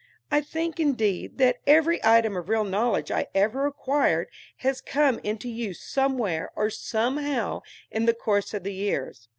I think, indeed, that every item of real knowledge I ever acquired has come into use somewhere or somehow in the course of the years.